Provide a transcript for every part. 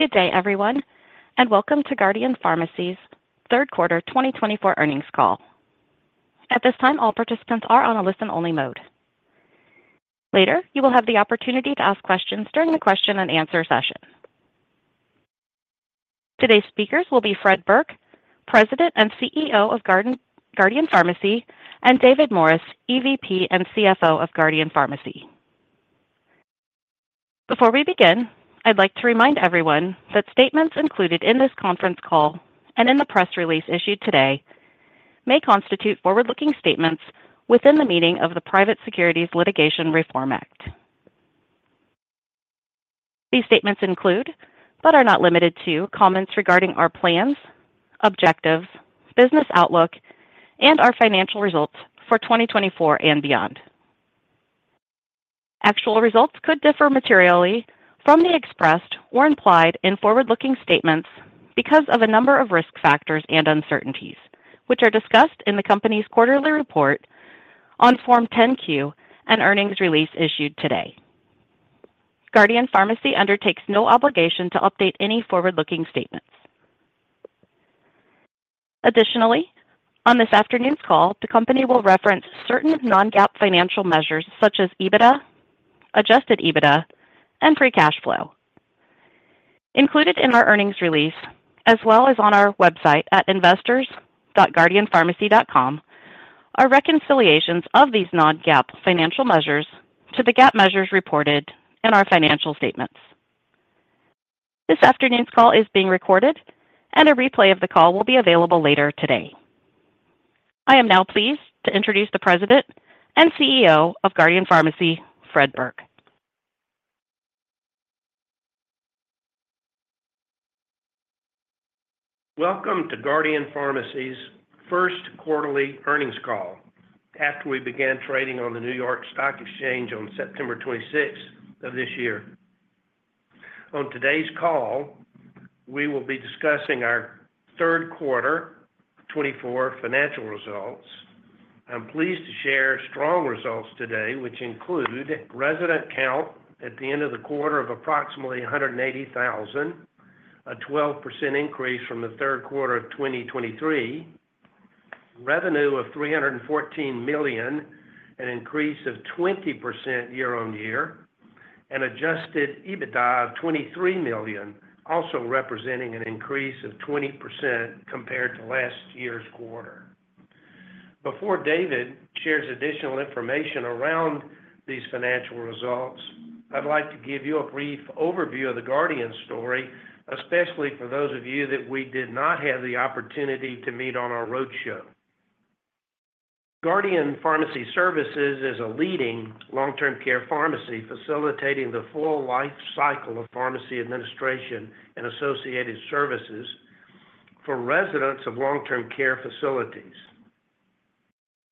Good day, everyone, and welcome to Guardian Pharmacy Services' third quarter 2024 earnings call. At this time, all participants are on a listen-only mode. Later, you will have the opportunity to ask questions during the question-and-answer session. Today's speakers will be Fred Burke, President and CEO of Guardian Pharmacy Services, and David Morris, EVP and CFO of Guardian Pharmacy Services. Before we begin, I'd like to remind everyone that statements included in this conference call and in the press release issued today may constitute forward-looking statements within the meaning of the Private Securities Litigation Reform Act. These statements include, but are not limited to, comments regarding our plans, objectives, business outlook, and our financial results for 2024 and beyond. Actual results could differ materially from the expressed or implied in forward-looking statements because of a number of risk factors and uncertainties, which are discussed in the company's quarterly report on Form 10-Q and earnings release issued today. Guardian Pharmacy Services undertakes no obligation to update any forward-looking statements. Additionally, on this afternoon's call, the company will reference certain non-GAAP financial measures such as EBITDA, adjusted EBITDA, and free cash flow. Included in our earnings release, as well as on our website at investors.guardianpharmacy.com, are reconciliations of these non-GAAP financial measures to the GAAP measures reported in our financial statements. This afternoon's call is being recorded, and a replay of the call will be available later today. I am now pleased to introduce the President and CEO of Guardian Pharmacy Services, Fred Burke. Welcome to Guardian Pharmacy's first quarterly earnings call after we began trading on the New York Stock Exchange on September 26th of this year. On today's call, we will be discussing our third quarter 2024 financial results. I'm pleased to share strong results today, which include resident count at the end of the quarter of approximately 180,000, a 12% increase from the third quarter of 2023, revenue of $314 million, an increase of 20% year-on-year, and Adjusted EBITDA of $23 million, also representing an increase of 20% compared to last year's quarter. Before David shares additional information around these financial results, I'd like to give you a brief overview of the Guardian story, especially for those of you that we did not have the opportunity to meet on our roadshow. Guardian Pharmacy Services is a leading long-term care pharmacy facilitating the full life cycle of pharmacy administration and associated services for residents of long-term care facilities.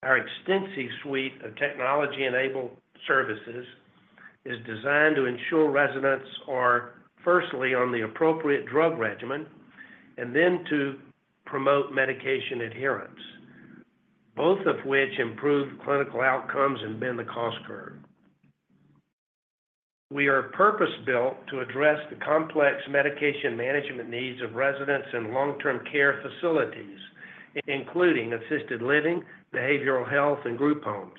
Our extensive suite of technology-enabled services is designed to ensure residents are firstly on the appropriate drug regimen and then to promote medication adherence, both of which improve clinical outcomes and bend the cost curve. We are purpose-built to address the complex medication management needs of residents in long-term care facilities, including assisted living, behavioral health, and group homes.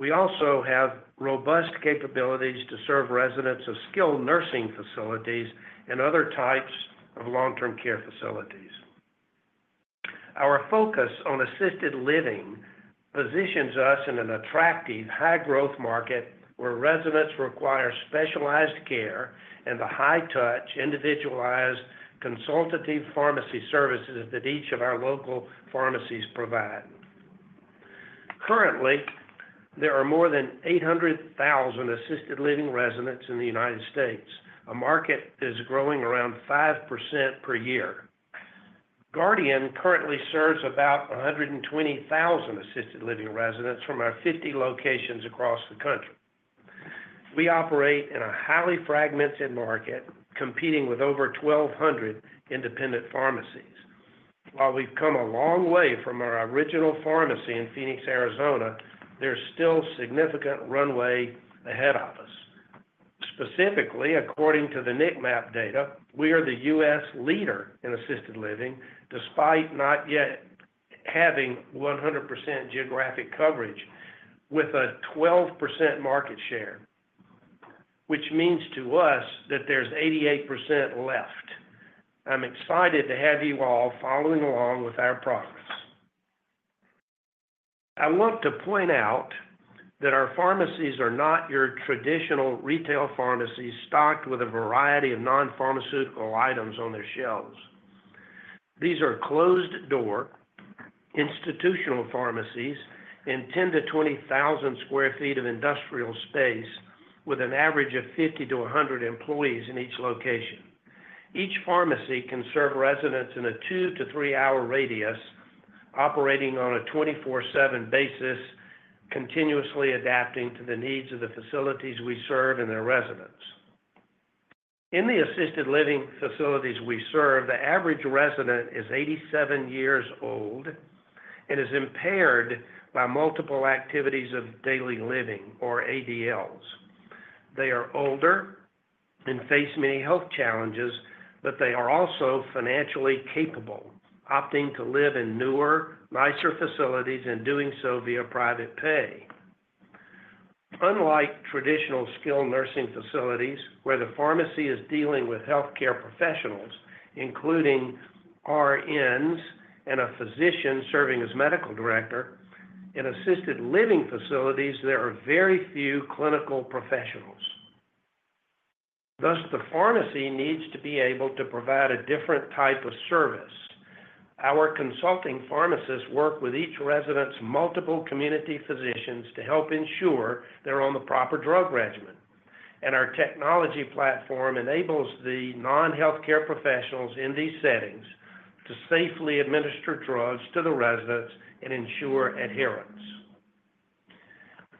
We also have robust capabilities to serve residents of skilled nursing facilities and other types of long-term care facilities. Our focus on assisted living positions us in an attractive high-growth market where residents require specialized care and the high-touch, individualized, consultative pharmacy services that each of our local pharmacies provide. Currently, there are more than 800,000 assisted living residents in the United States, a market that is growing around 5% per year. Guardian currently serves about 120,000 assisted living residents from our 50 locations across the country. We operate in a highly fragmented market competing with over 1,200 independent pharmacies. While we've come a long way from our original pharmacy in Phoenix, Arizona, there's still significant runway ahead of us. Specifically, according to the NIC MAP data, we are the U.S. leader in assisted living despite not yet having 100% geographic coverage, with a 12% market share, which means to us that there's 88% left. I'm excited to have you all following along with our progress. I want to point out that our pharmacies are not your traditional retail pharmacies stocked with a variety of non-pharmaceutical items on their shelves. These are closed-door institutional pharmacies in 10,000-20,000 sq ft of industrial space with an average of 50-100 employees in each location. Each pharmacy can serve residents in a two- to three-hour radius, operating on a 24/7 basis, continuously adapting to the needs of the facilities we serve and their residents. In the assisted living facilities we serve, the average resident is 87 years old and is impaired by multiple Activities of Daily Living, or ADLs. They are older and face many health challenges, but they are also financially capable, opting to live in newer, nicer facilities and doing so via private pay. Unlike traditional skilled nursing facilities, where the pharmacy is dealing with healthcare professionals, including RNs and a physician serving as medical director, in assisted living facilities, there are very few clinical professionals. Thus, the pharmacy needs to be able to provide a different type of service. Our consulting pharmacists work with each resident's multiple community physicians to help ensure they're on the proper drug regimen, and our technology platform enables the non-healthcare professionals in these settings to safely administer drugs to the residents and ensure adherence.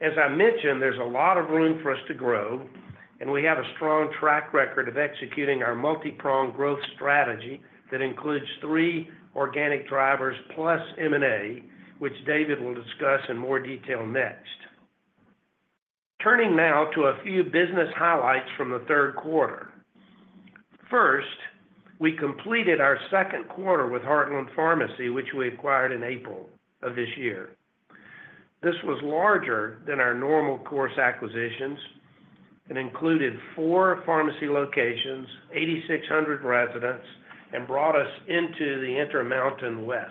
As I mentioned, there's a lot of room for us to grow, and we have a strong track record of executing our multi-prong growth strategy that includes three organic drivers plus M&A, which David will discuss in more detail next. Turning now to a few business highlights from the third quarter. First, we completed our second quarter with Heartland Pharmacy, which we acquired in April of this year. This was larger than our normal course acquisitions and included four pharmacy locations, 8,600 residents, and brought us into the Intermountain West.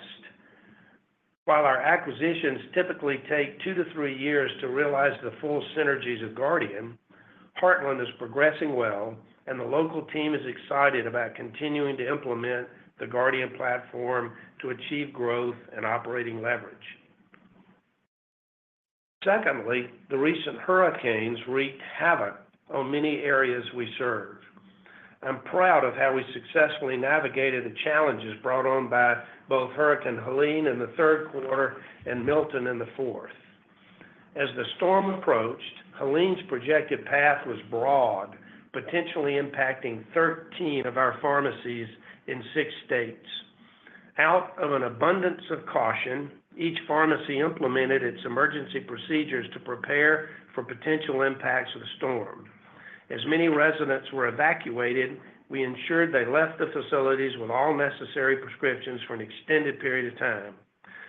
While our acquisitions typically take two to three years to realize the full synergies of Guardian, Heartland is progressing well, and the local team is excited about continuing to implement the Guardian platform to achieve growth and operating leverage. Secondly, the recent hurricanes wreaked havoc on many areas we serve. I'm proud of how we successfully navigated the challenges brought on by both Hurricane Helene in the third quarter and Milton in the fourth. As the storm approached, Helene's projected path was broad, potentially impacting 13 of our pharmacies in six states. Out of an abundance of caution, each pharmacy implemented its emergency procedures to prepare for potential impacts of the storm. As many residents were evacuated, we ensured they left the facilities with all necessary prescriptions for an extended period of time.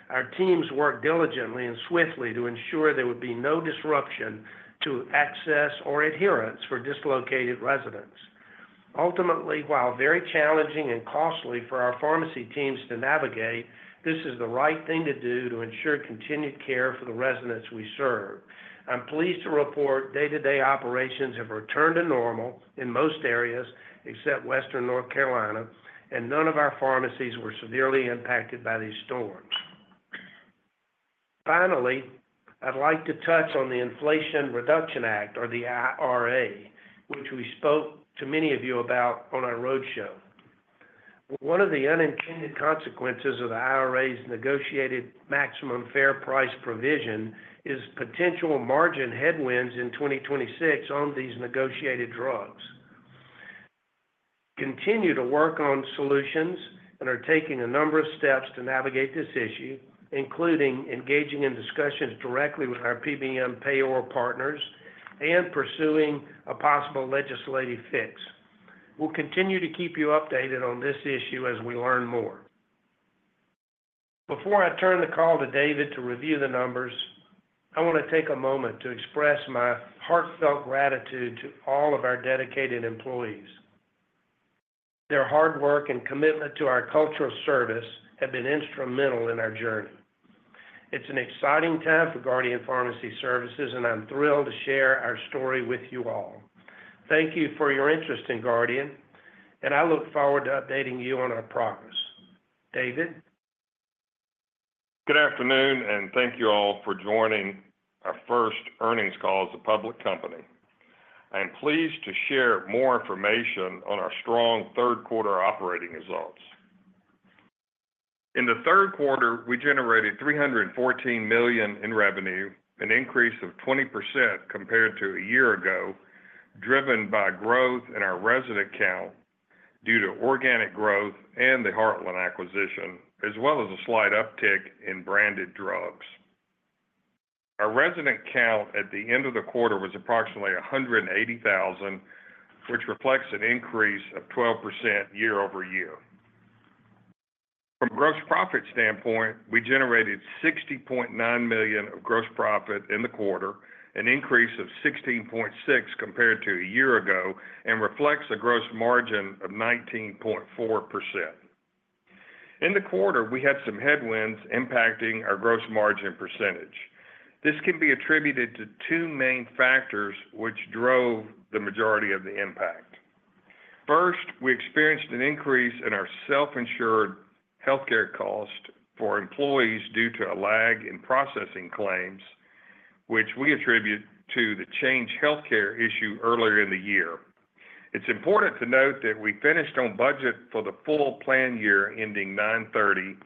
Our teams worked diligently and swiftly to ensure there would be no disruption to access or adherence for dislocated residents. Ultimately, while very challenging and costly for our pharmacy teams to navigate, this is the right thing to do to ensure continued care for the residents we serve. I'm pleased to report day-to-day operations have returned to normal in most areas except western North Carolina, and none of our pharmacies were severely impacted by these storms. Finally, I'd like to touch on the Inflation Reduction Act, or the IRA, which we spoke to many of you about on our roadshow. One of the unintended consequences of the IRA's negotiated maximum fair price provision is potential margin headwinds in 2026 on these negotiated drugs. We continue to work on solutions and are taking a number of steps to navigate this issue, including engaging in discussions directly with our PBM payroll partners and pursuing a possible legislative fix. We'll continue to keep you updated on this issue as we learn more. Before I turn the call to David to review the numbers, I want to take a moment to express my heartfelt gratitude to all of our dedicated employees. Their hard work and commitment to our cultural service have been instrumental in our journey. It's an exciting time for Guardian Pharmacy Services, and I'm thrilled to share our story with you all. Thank you for your interest in Guardian, and I look forward to updating you on our progress. David? Good afternoon, and thank you all for joining our first earnings call as a public company. I'm pleased to share more information on our strong third quarter operating results. In the third quarter, we generated $314 million in revenue, an increase of 20% compared to a year ago, driven by growth in our resident count due to organic growth and the Heartland acquisition, as well as a slight uptick in branded drugs. Our resident count at the end of the quarter was approximately 180,000, which reflects an increase of 12% year-over-year. From a gross profit standpoint, we generated $60.9 million of gross profit in the quarter, an increase of 16.6% compared to a year ago, and reflects a gross margin of 19.4%. In the quarter, we had some headwinds impacting our gross margin percentage. This can be attributed to two main factors which drove the majority of the impact. First, we experienced an increase in our self-insured healthcare cost for employees due to a lag in processing claims, which we attribute to the Change Healthcare issue earlier in the year. It's important to note that we finished on budget for the full plan year ending 9/30,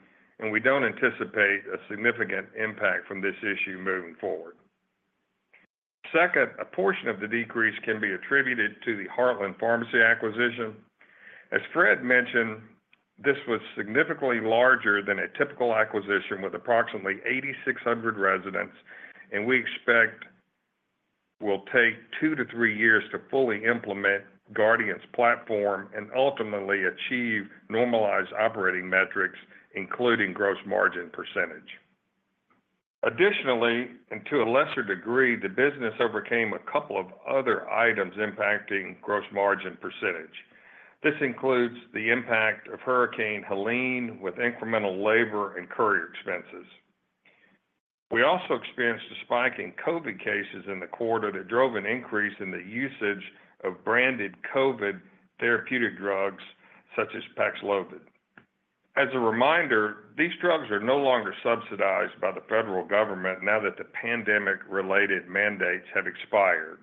and we don't anticipate a significant impact from this issue moving forward. Second, a portion of the decrease can be attributed to the Heartland Pharmacy acquisition. As Fred mentioned, this was significantly larger than a typical acquisition with approximately 8,600 residents, and we expect it will take two to three years to fully implement Guardian's platform and ultimately achieve normalized operating metrics, including gross margin percentage. Additionally, and to a lesser degree, the business overcame a couple of other items impacting gross margin percentage. This includes the impact of Hurricane Helene with incremental labor and courier expenses. We also experienced a spike in COVID cases in the quarter that drove an increase in the usage of branded COVID therapeutic drugs such as Paxlovid. As a reminder, these drugs are no longer subsidized by the federal government now that the pandemic-related mandates have expired.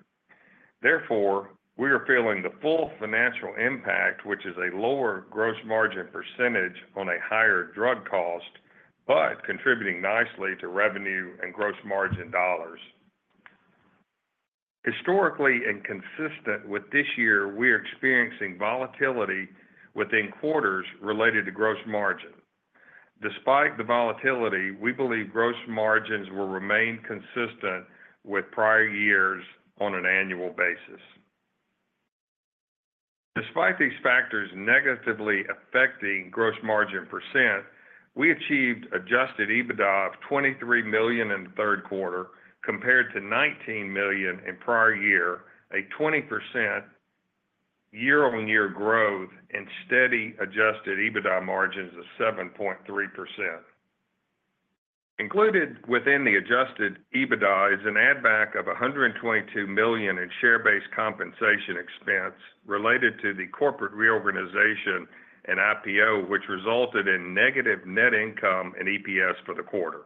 Therefore, we are feeling the full financial impact, which is a lower gross margin percentage on a higher drug cost, but contributing nicely to revenue and gross margin dollars. Historically and consistent with this year, we are experiencing volatility within quarters related to gross margin. Despite the volatility, we believe gross margins will remain consistent with prior years on an annual basis. Despite these factors negatively affecting gross margin percent, we achieved adjusted EBITDA of $23 million in the third quarter compared to $19 million in prior year, a 20% year-on-year growth and steady adjusted EBITDA margins of 7.3%. Included within the adjusted EBITDA is an add-back of $122 million in share-based compensation expense related to the corporate reorganization and IPO, which resulted in negative net income and EPS for the quarter.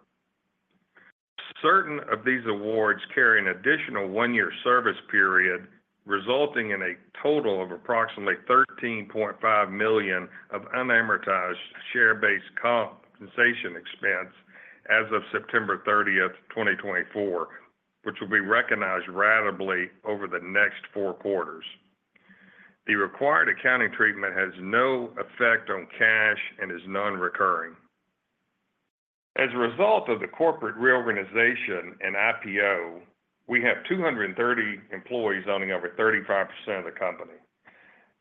Certain of these awards carry an additional one-year service period, resulting in a total of approximately $13.5 million of unamortized share-based compensation expense as of September 30th, 2024, which will be recognized ratably over the next four quarters. The required accounting treatment has no effect on cash and is non-recurring. As a result of the corporate reorganization and IPO, we have 230 employees owning over 35% of the company.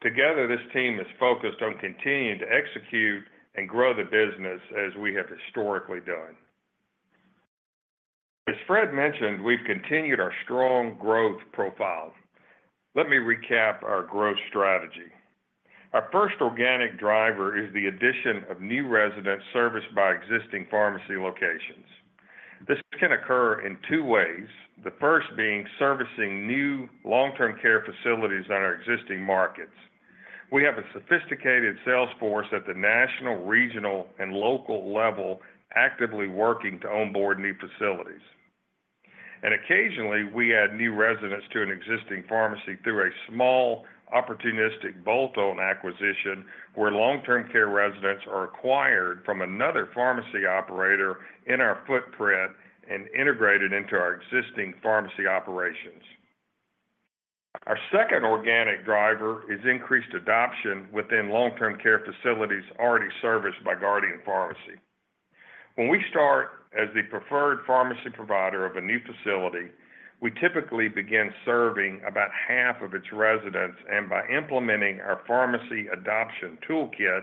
Together, this team is focused on continuing to execute and grow the business as we have historically done. As Fred mentioned, we've continued our strong growth profile. Let me recap our growth strategy. Our first organic driver is the addition of new residents serviced by existing pharmacy locations. This can occur in two ways, the first being servicing new long-term care facilities on our existing markets. We have a sophisticated sales force at the national, regional, and local level actively working to onboard new facilities, and occasionally, we add new residents to an existing pharmacy through a small opportunistic bolt-on acquisition where long-term care residents are acquired from another pharmacy operator in our footprint and integrated into our existing pharmacy operations. Our second organic driver is increased adoption within long-term care facilities already serviced by Guardian Pharmacy. When we start as the preferred pharmacy provider of a new facility, we typically begin serving about half of its residents, and by implementing our pharmacy adoption toolkit,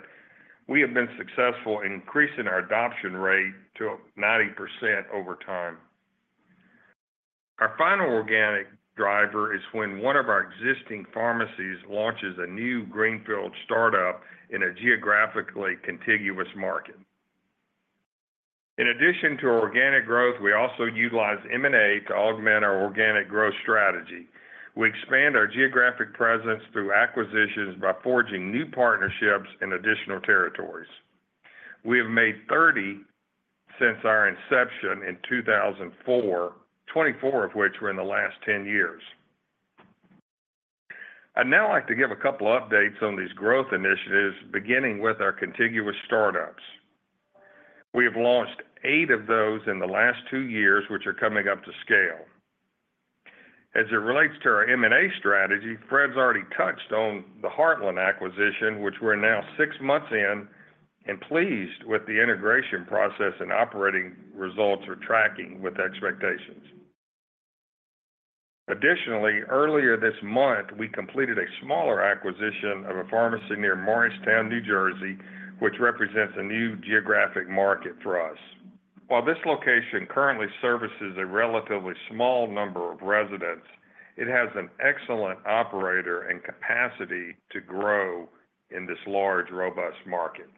we have been successful in increasing our adoption rate to 90% over time. Our final organic driver is when one of our existing pharmacies launches a new greenfield startup in a geographically contiguous market. In addition to organic growth, we also utilize M&A to augment our organic growth strategy. We expand our geographic presence through acquisitions by forging new partnerships in additional territories. We have made 30 since our inception in 2004, 24 of which were in the last 10 years. I'd now like to give a couple of updates on these growth initiatives, beginning with our contiguous startups. We have launched eight of those in the last two years, which are coming up to scale. As it relates to our M&A strategy, Fred's already touched on the Heartland acquisition, which we're now six months in and pleased with the integration process and operating results we're tracking with expectations. Additionally, earlier this month, we completed a smaller acquisition of a pharmacy near Morristown, New Jersey, which represents a new geographic market for us. While this location currently services a relatively small number of residents, it has an excellent operator and capacity to grow in this large, robust market.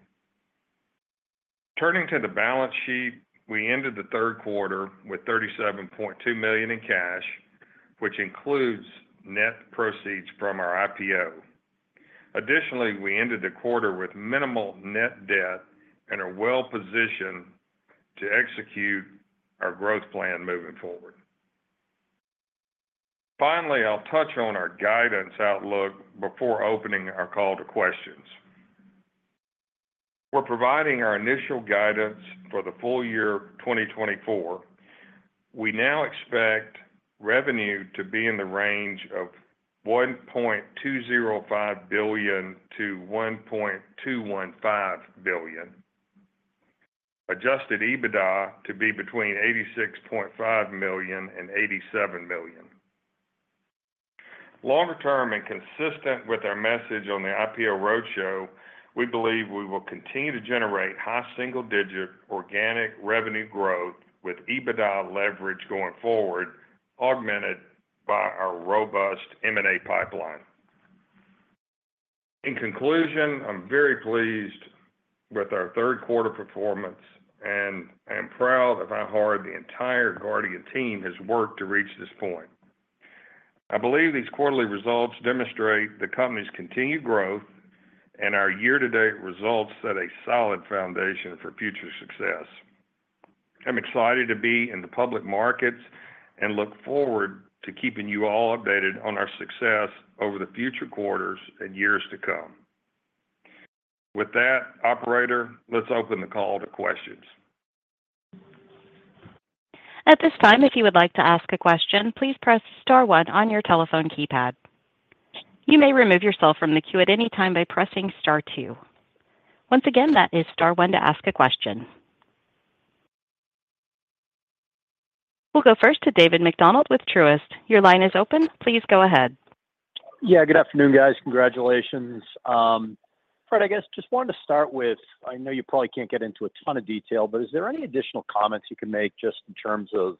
Turning to the balance sheet, we ended the third quarter with $37.2 million in cash, which includes net proceeds from our IPO. Additionally, we ended the quarter with minimal net debt and are well-positioned to execute our growth plan moving forward. Finally, I'll touch on our guidance outlook before opening our call to questions. We're providing our initial guidance for the full year 2024. We now expect revenue to be in the range of $1.205 billion-$1.215 billion, Adjusted EBITDA to be between $86.5 million and $87 million. Longer term and consistent with our message on the IPO roadshow, we believe we will continue to generate high single-digit organic revenue growth with EBITDA leverage going forward, augmented by our robust M&A pipeline. In conclusion, I'm very pleased with our third quarter performance and am proud of how hard the entire Guardian team has worked to reach this point. I believe these quarterly results demonstrate the company's continued growth and our year-to-date results set a solid foundation for future success. I'm excited to be in the public markets and look forward to keeping you all updated on our success over the future quarters and years to come. With that, Operator, let's open the call to questions. At this time, if you would like to ask a question, please press star one on your telephone keypad. You may remove yourself from the queue at any time by pressing star two. Once again, that is star one to ask a question. We'll go first to David MacDonald with Truist. Your line is open. Please go ahead. Yeah, good afternoon, guys. Congratulations. Fred, I guess just wanted to start with, I know you probably can't get into a ton of detail, but is there any additional comments you can make just in terms of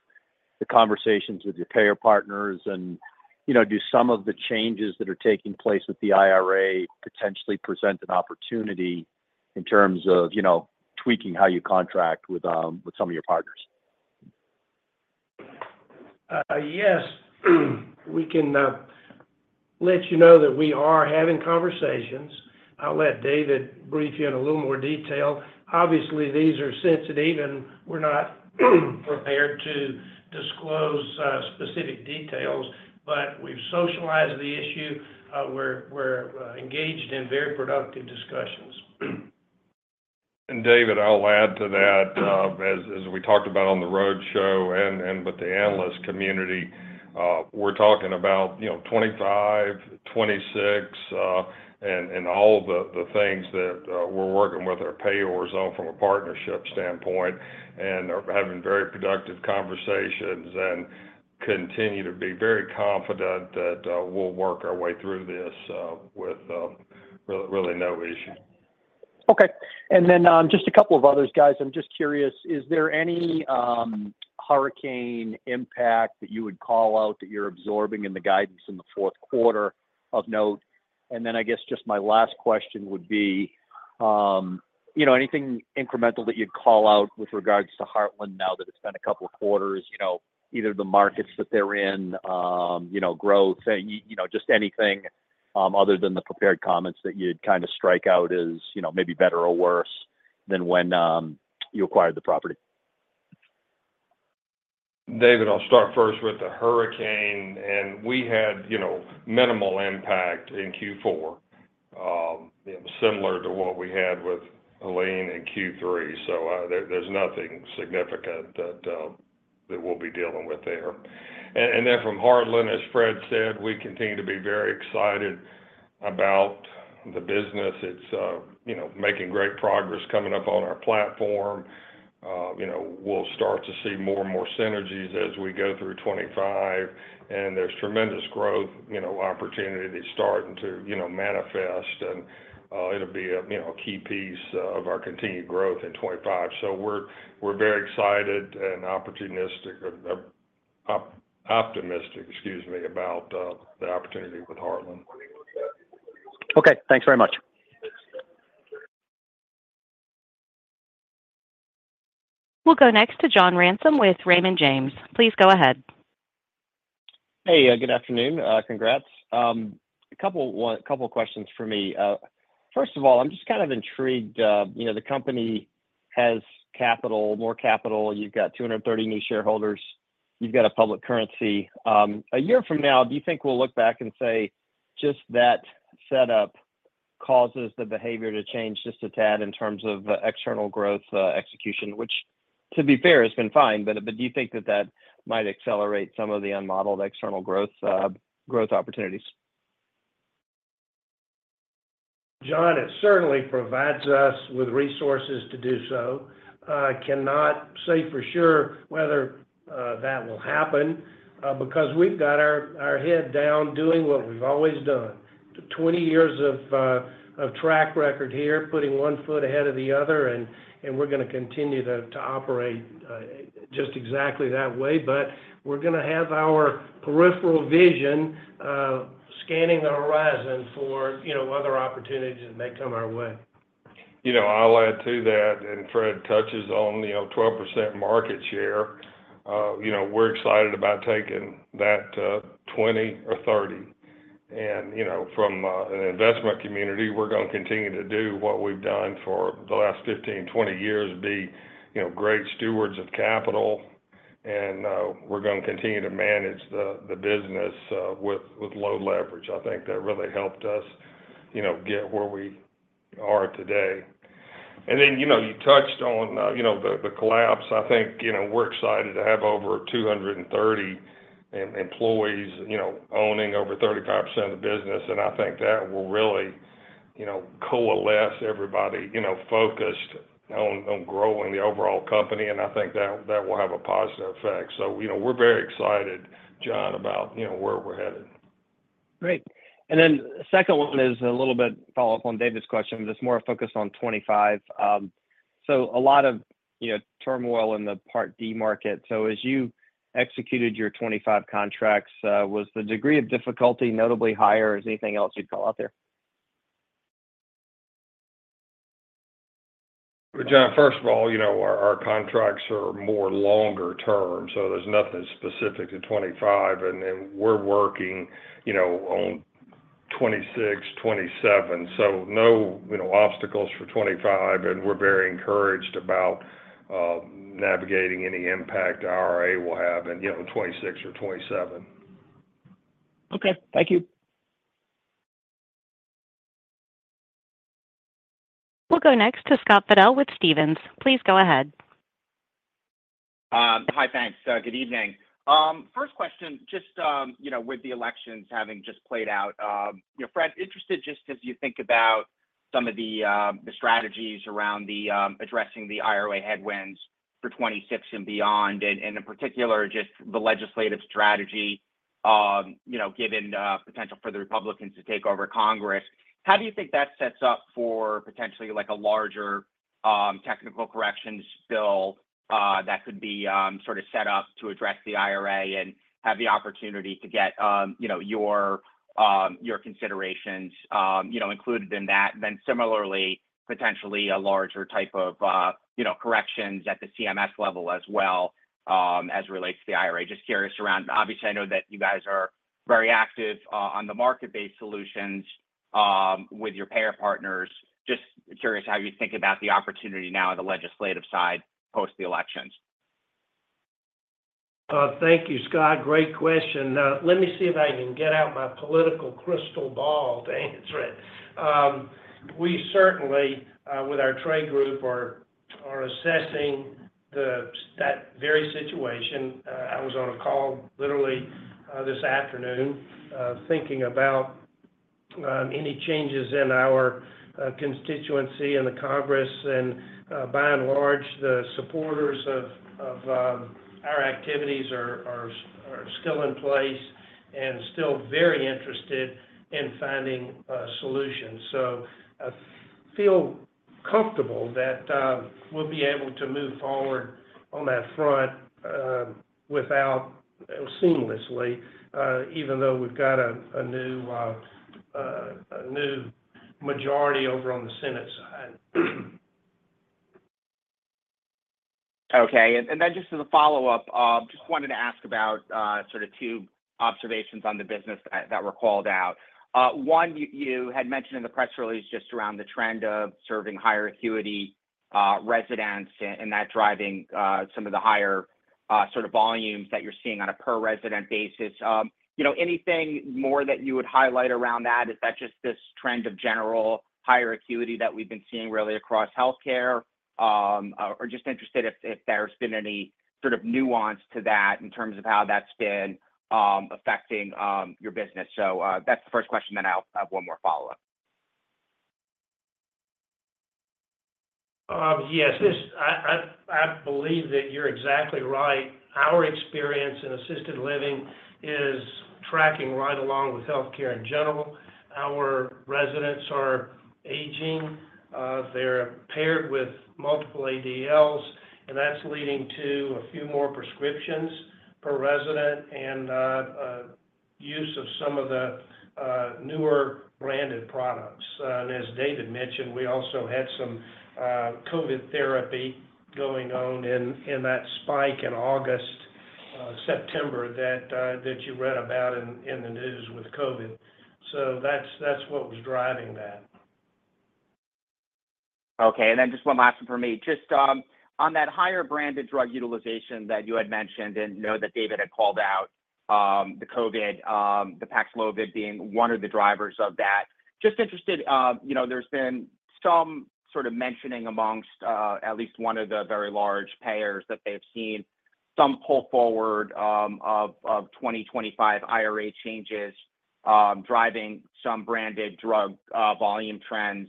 the conversations with your payer partners and do some of the changes that are taking place with the IRA potentially present an opportunity in terms of tweaking how you contract with some of your partners? Yes. We can let you know that we are having conversations. I'll let David brief you in a little more detail. Obviously, these are sensitive and we're not prepared to disclose specific details, but we've socialized the issue. We're engaged in very productive discussions. David, I'll add to that. As we talked about on the roadshow and with the analyst community, we're talking about 25, 26, and all the things that we're working with our payers on from a partnership standpoint and are having very productive conversations and continue to be very confident that we'll work our way through this with really no issue. Okay. And then just a couple of others, guys. I'm just curious, is there any hurricane impact that you would call out that you're absorbing in the guidance in the fourth quarter of note? And then I guess just my last question would be, anything incremental that you'd call out with regards to Heartland now that it's been a couple of quarters, either the markets that they're in, growth, just anything other than the prepared comments that you'd kind of strike out as maybe better or worse than when you acquired the property? David, I'll start first with the hurricane. And we had minimal impact in Q4, similar to what we had with Helene in Q3. So there's nothing significant that we'll be dealing with there. And then from Heartland, as Fred said, we continue to be very excited about the business. It's making great progress coming up on our platform. We'll start to see more and more synergies as we go through 25. And there's tremendous growth opportunity starting to manifest, and it'll be a key piece of our continued growth in 25. So we're very excited and optimistic about the opportunity with Heartland. Okay. Thanks very much. We'll go next to John Ransom with Raymond James. Please go ahead. Hey, good afternoon. Congrats. A couple of questions for me. First of all, I'm just kind of intrigued. The company has capital, more capital. You've got 230 new shareholders. You've got a public currency. A year from now, do you think we'll look back and say just that setup causes the behavior to change just a tad in terms of external growth execution, which, to be fair, has been fine, but do you think that that might accelerate some of the unmodeled external growth opportunities? John, it certainly provides us with resources to do so. I cannot say for sure whether that will happen because we've got our head down doing what we've always done. 20 years of track record here, putting one foot ahead of the other, and we're going to continue to operate just exactly that way, but we're going to have our peripheral vision scanning the horizon for other opportunities that may come our way. I'll add to that, and Fred touches on 12% market share. We're excited about taking that 20 or 30. And from an investment community, we're going to continue to do what we've done for the last 15, 20 years, be great stewards of capital. And we're going to continue to manage the business with low leverage. I think that really helped us get where we are today, and then you touched on the collapse. I think we're excited to have over 230 employees owning over 35% of the business, and I think that will really coalesce everybody focused on growing the overall company. And I think that will have a positive effect. So we're very excited, John, about where we're headed. Great. And then the second one is a little bit follow-up on David's question. This is more focused on 25. So a lot of turmoil in the Part D market. So as you executed your 25 contracts, was the degree of difficulty notably higher? Is there anything else you'd call out there? John, first of all, our contracts are more longer term, so there's nothing specific to 2025, and then we're working on 2026, 2027, so no obstacles for 2025, and we're very encouraged about navigating any impact our ROA will have in 2026 or 2027. Okay. Thank you. We'll go next to Scott Fidel with Stephens. Please go ahead. Hi, thanks. Good evening. First question, just with the elections having just played out, Fred, interested just as you think about some of the strategies around addressing the IRA headwinds for 26 and beyond, and in particular, just the legislative strategy given potential for the Republicans to take over Congress. How do you think that sets up for potentially a larger technical corrections bill that could be sort of set up to address the IRA and have the opportunity to get your considerations included in that? And then similarly, potentially a larger type of corrections at the CMS level as well as relates to the IRA. Just curious around, obviously, I know that you guys are very active on the market-based solutions with your payer partners. Just curious how you think about the opportunity now on the legislative side post the elections. Thank you, Scott. Great question. Let me see if I can get out my political crystal ball to answer it. We certainly, with our trade group, are assessing that very situation. I was on a call literally this afternoon thinking about any changes in our constituency and the Congress. And by and large, the supporters of our activities are still in place and still very interested in finding solutions. So I feel comfortable that we'll be able to move forward on that front seamlessly, even though we've got a new majority over on the Senate side. Okay. And then just as a follow-up, just wanted to ask about sort of two observations on the business that were called out. One, you had mentioned in the press release just around the trend of serving higher acuity residents and that driving some of the higher sort of volumes that you're seeing on a per-resident basis. Anything more that you would highlight around that? Is that just this trend of general higher acuity that we've been seeing really across healthcare? Or just interested if there's been any sort of nuance to that in terms of how that's been affecting your business. So that's the first question, then I'll have one more follow-up. Yes. I believe that you're exactly right. Our experience in assisted living is tracking right along with healthcare in general. Our residents are aging. They're impaired with multiple ADLs, and that's leading to a few more prescriptions per resident and use of some of the newer branded products. And as David mentioned, we also had some COVID therapy going on in that spike in August, September that you read about in the news with COVID. So that's what was driving that. Okay. And then just one last one from me. Just on that higher branded drug utilization that you had mentioned and that David had called out, the COVID, the Paxlovid being one of the drivers of that. Just interested, there's been some sort of mentioning amongst at least one of the very large payers that they've seen some pull forward of 2025 IRA changes driving some branded drug volume trends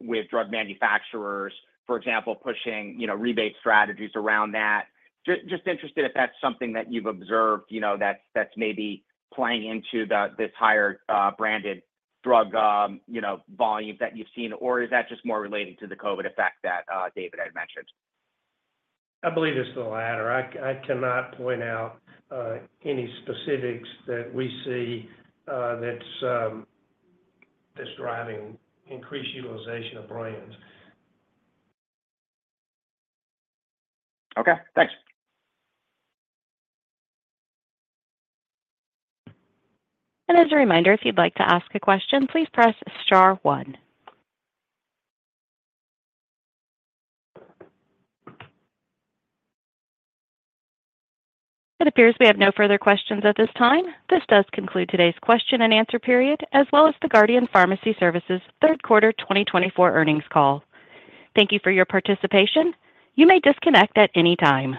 with drug manufacturers, for example, pushing rebate strategies around that. Just interested if that's something that you've observed that's maybe playing into this higher branded drug volume that you've seen, or is that just more related to the COVID effect that David had mentioned? I believe it's the latter. I cannot point out any specifics that we see that's driving increased utilization of brands. Okay. Thanks. And as a reminder, if you'd like to ask a question, please press star one. It appears we have no further questions at this time. This does conclude today's question and answer period, as well as the Guardian Pharmacy Services third quarter 2024 earnings call. Thank you for your participation. You may disconnect at any time.